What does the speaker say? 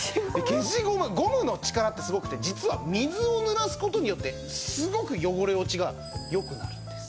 ゴムの力ってすごくて実は水をぬらす事によってすごく汚れ落ちが良くなるんです。